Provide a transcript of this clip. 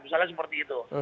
misalnya seperti itu